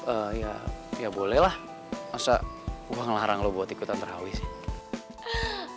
ehm ya boleh lah masa gue ngelarang lo buat ikutan terhawi sih